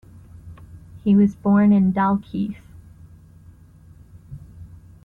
He was born in Dalkeith.